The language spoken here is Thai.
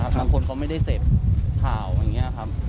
บางคนเขาไม่ได้เสพข่าวอย่างนี้ครับ